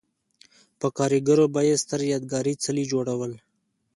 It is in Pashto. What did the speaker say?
په کارګرو به یې ستر یادګاري څلي جوړول